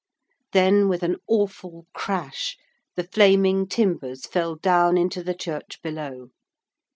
Then with an awful crash the flaming timbers fell down into the church below.